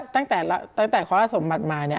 ตั้งแต่เคาะและสมบัติมาเนี้ย